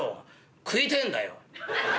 食いてえんだよ」。